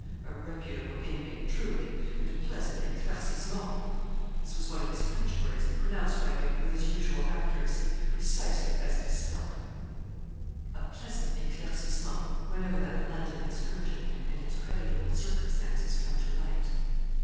A reputable inmate, truly, and a pleasant éclaircissement (this was one of his French words, and pronounced by him with his usual accuracy, precisely as it is spelt) a pleasant éclaircissement whenever that London excursion and its creditable circumstances come to light.'